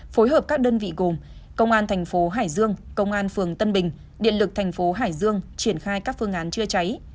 phối hợp các đơn vị gồm công an thành phố hải dương công an phường tân bình điện lực thành phố hải dương triển khai các phương án chữa cháy